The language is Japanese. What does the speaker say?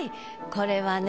これはね